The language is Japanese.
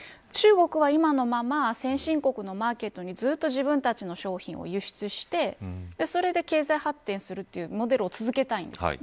中国は今のまま先進国のマーケットにずっと自分たちの商品を輸出してそして経済発展するというモデルを続けたいんです。